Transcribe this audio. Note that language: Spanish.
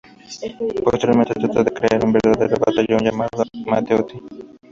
Posteriormente trata de crear un verdadero batallón llamado Matteotti.